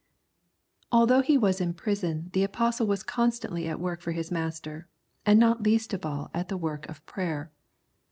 Although he was in prison the Apostle was constantly at work for his Master, and not least of all at the work of prayer.